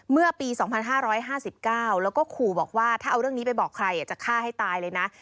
เมื่อปี๒๕๕๙แล้วก็ขู่บอกว่าถ้าเอาเรื่องนี้ไปบอกใครจะฆ่าให้ตายเลยนะ